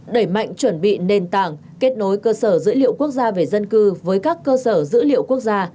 đẩy mạnh chuẩn bị nền tảng kết nối cơ sở dữ liệu quốc gia về dân cư với các cơ sở dữ liệu quốc gia